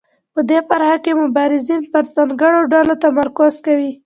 په دې برخه کې مبارزین پر ځانګړو ډلو تمرکز کوي.